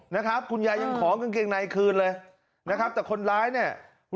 นะครับคุณยายยังขอกางเกงในคืนเลยนะครับแต่คนร้ายเนี่ย